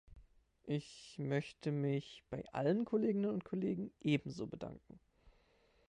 Ich möchte mich bei allen Kolleginnen und Kollegen ebenso bedanken.